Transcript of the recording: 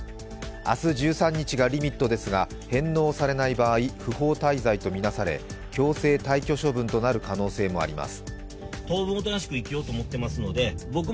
明日１３日がリミットですが、返納されない場合不法滞在とみなされ強制退去処分となる可能性もあります。